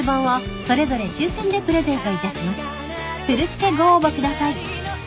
［奮ってご応募ください］